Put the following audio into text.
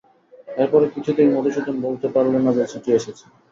এর পরে কিছুতেই মধুসূদন বলতে পারলে না যে চিঠি এসেছে।